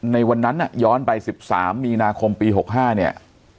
ในวันนั้นย้อนไป๑๓มีนาคมปี๖๕เนี่ย